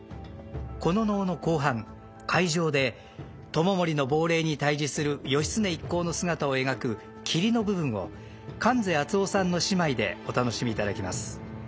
この能の後半海上で知盛の亡霊に対峙する義経一行の姿を描くキリの部分を観世淳夫さんの仕舞でお楽しみいただきます。